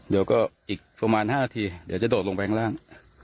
เดี๋ยวก็อีกประมาณ๕นาทีเดี๋ยวจะโดดลงไปข้างล่าง